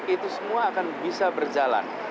itu semua akan bisa berjalan